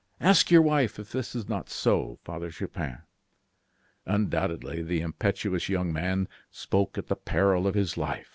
Ask your wife if this is not so, Father Chupin." Undoubtedly the impetuous young man spoke at the peril of his life.